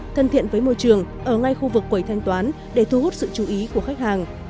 thân thiện với môi trường ở ngay khu vực quầy thanh toán để thu hút sự chú ý của khách hàng